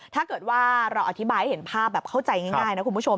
ถ้าเกิดว่าเราอธิบายให้เห็นภาพแบบเข้าใจง่ายนะคุณผู้ชม